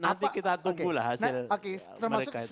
nanti kita tunggulah hasil mereka itu